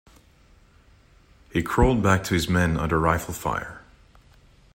He crawled back to his men under rifle fire.